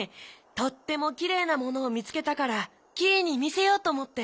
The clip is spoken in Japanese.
とってもきれいなものをみつけたからキイにみせようとおもって。